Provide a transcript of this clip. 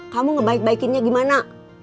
kamu ngebaik baikinnya gimana